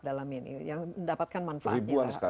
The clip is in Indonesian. dalam ini yang mendapatkan manfaatnya